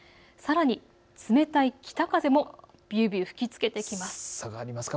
さらに冷たい北風もびゅーびゅー吹きつけてきます。